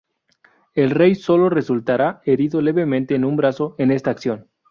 El rey sólo resultará herido levemente en un brazo en esta acción.